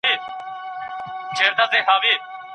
تولستوی د خپل قلم په زور د جګړې د وحشت پر وړاندې ودرېد.